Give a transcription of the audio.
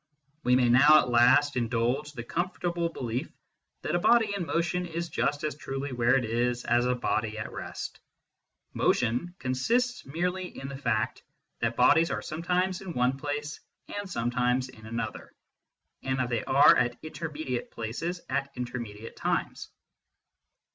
We may now at last indulge the comfortable belief that a body in motion is just as truly where it is as a body at rest. Motion consists merely in the fact that bodies are sometimes in one place and some times in another, and that they are at intermediate places at intermediate times.